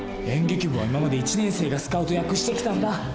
演劇部は今まで１年生がスカウト役してきたんだ。